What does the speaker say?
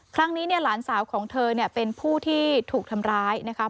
ครั้งนี้หลานสาวของเธอเป็นผู้ที่ถูกทำร้ายนะคะ